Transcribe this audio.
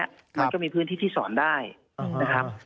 มันก็มีพื้นที่ที่สอนได้นะครับ